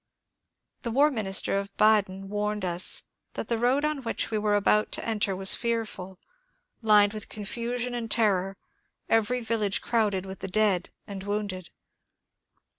The war minister of Baden warned us that the road on which we were about to enter was fearful, — lined with confusion and terror, every village crowded with the dead and wounded.